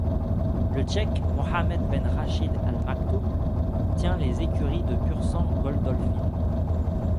Le sheikh Mohammed ben Rachid Al Maktoum tient les écuries de Pur-sang Goldolphin.